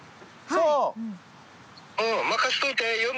そう。